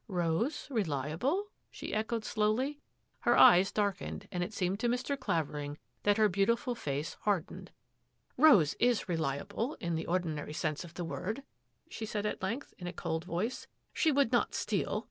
" she « Rose reliable? " she echoed slowly. *rdly Her eyes darkened, and it seemed to Mr. Claver n re ing that her beautiful face hardened, i up " Rose is reliable — in the ordinary sense of the word," she said at length, in a cold voice. '" She would not steal.